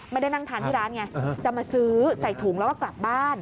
ไม่ได้นั่งทานที่ร้านไงจะมาซื้อใส่ถุงแล้วก็กลับบ้าน